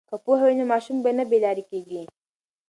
که پوهه وي نو ماشوم نه بې لارې کیږي.